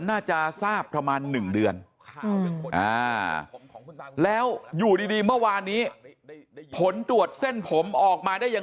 น่าจะทราบประมาณ๑เดือนแล้วอยู่ดีเมื่อวานนี้ผลตรวจเส้นผมออกมาได้อย่าง